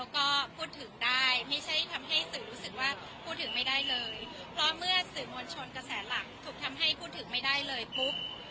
ก็พูดถึงได้ไม่ใช่ทำให้สื่อรู้สึกว่าพูดถึงไม่ได้เลยเพราะเมื่อสื่อมวลชนกระแสหลักถูกทำให้พูดถึงไม่ได้เลยปุ๊บ